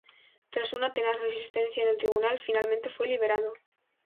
Tras una tenaz resistencia en el tribunal, finalmente fue liberado.